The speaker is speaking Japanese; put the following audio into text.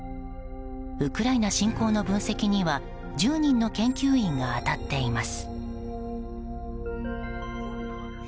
ウクライナ侵攻の分析には１０人の研究員が当たっています。